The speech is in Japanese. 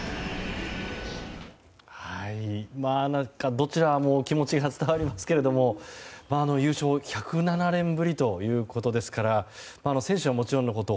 どちらも気持ちが伝わりますけど優勝、１０７年ぶりということですから選手はもちろんのこと